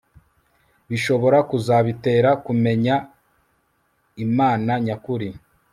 bishobora kuzabitera kumenya imana nyakuri